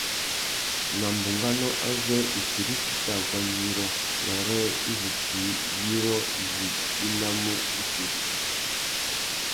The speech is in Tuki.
Nà bunganô azê « ifiriti i tà guá yirô » wêrê i zu djï yirô wí unamú ifiriti.